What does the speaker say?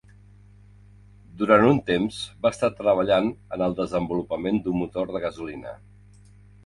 Durant un temps va estar treballant en el desenvolupament d'un motor de gasolina.